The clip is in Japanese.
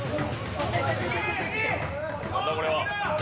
何だこれは。